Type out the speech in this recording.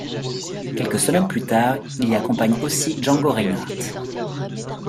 Quelques semaines plus tard, il y accompagne aussi Django Reinhardt.